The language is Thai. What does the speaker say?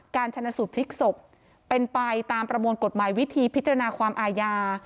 ชนะสูตรพลิกศพเป็นไปตามประมวลกฎหมายวิธีพิจารณาความอาญา